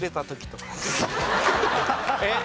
えっ？